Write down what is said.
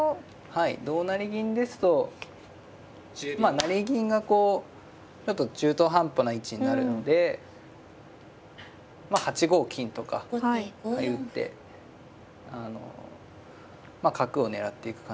はい同成銀ですとまあ成銀がこうちょっと中途半端な位置になるので８五金とか打ってまあ角を狙っていく感じですかね。